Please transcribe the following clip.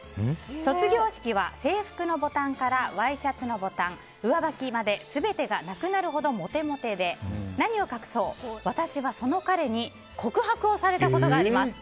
卒業式は制服のボタンからワイシャツのボタン上履きまで全てがなくなるほどモテモテで何を隠そう、私はその彼に告白をされたことがあります。